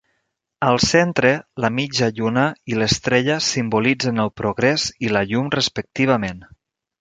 Al centre, la mitja lluna i l'estrella simbolitzen el progrés i la llum respectivament.